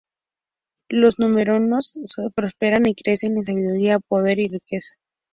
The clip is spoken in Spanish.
Los Númenóreanos prosperan y crecen en sabiduría, poder y riqueza.